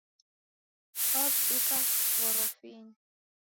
Waw'uduka Ghorofinyi.